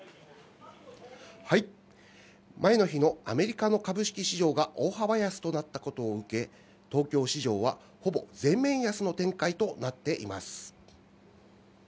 前の日のアメリカの株式市場が大幅安となったことを受け、東京市場はほぼ全面安の展開となっています。